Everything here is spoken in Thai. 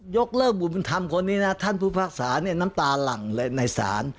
ยกเลิกบุตรบุญธรรมคนนี้นะท่านผู้ภาคศาเนี่ยน้ำตาหลั่งเลยในศาล